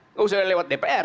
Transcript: tidak usah lewat dpr